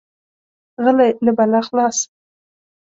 غلی، له بلا خلاص.